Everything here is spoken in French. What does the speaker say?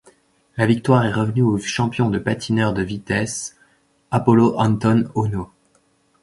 La victoire est revenue au champion de patineur de vitesse Apolo Anton Ohno.